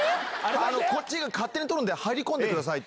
こっちが勝手に撮るんで、入り込んでくださいって。